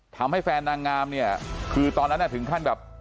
ทำให้แฟนนางงามเนี่ยคือตอนนั้นถึงขั้นแบบ